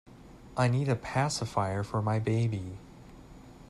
I need a pacifier for my baby.